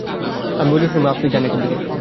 আমি বলে উঠলুম, আপনি যান এখান থেকে।